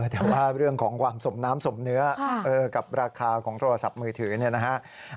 แต่ว่าเรื่องของความสมน้ำสมเนื้อกับราคาของโทรศัพท์มือถือเนี่ยนะฮะ